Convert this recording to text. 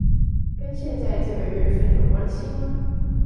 跟現在這個月份有關係嗎